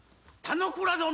田之倉殿！